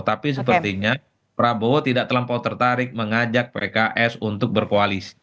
tapi sepertinya prabowo tidak terlampau tertarik mengajak pks untuk berkoalisi